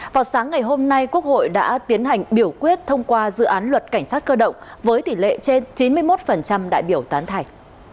vào sáng ngày hôm nay quốc hội đã tiến hành biểu quyết thông qua dự án luật cảnh sát cơ động với tỷ lệ trên chín mươi một đại biểu tán thành